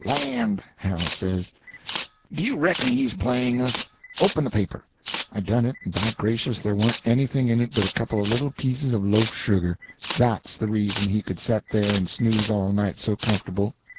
'Land!' Hal says, 'do you reckon he's playing us?—open the paper!' I done it, and by gracious there warn't anything in it but a couple of little pieces of loaf sugar! that's the reason he could set there and snooze all night so comfortable.